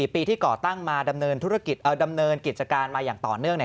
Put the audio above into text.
๑๔ปีที่ก่อตั้งมาดำเนินกิจการมาอย่างต่อเนื่อง